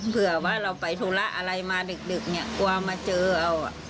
เผื่อว่าเราไปธุระอะไรมาดึกเนี่ยกลัวมาเจอเอา